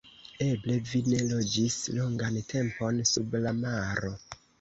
Eble vi ne loĝis longan tempon sub la maro.